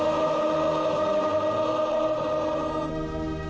โปรดติดตามตอนต่อไป